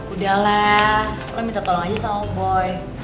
udahlah lo minta tolong aja sama boy